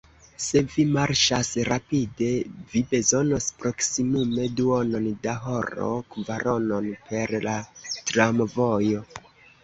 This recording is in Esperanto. Se vi marŝas rapide, vi bezonos proksimume duonon da horo; kvaronon per la tramvojo.